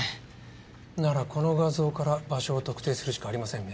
ならこの画像から場所を特定するしかありませんね。